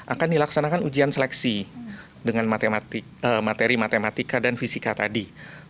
akan dilaksanakan ujian seleksi dengan materi matematika dan fisika tadi